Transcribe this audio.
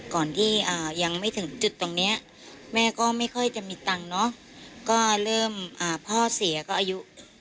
ก่อนที่ยังไม่ถึงจุดตรงเนี้ยแม่ก็ไม่ค่อยจะมีตังค์เนอะก็เริ่มพ่อเสียก็อายุ